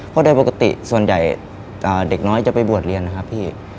เพราะโดยปกติส่วนใหญ่เด็กน้อยจะไปบวชเรียนนะครับพี่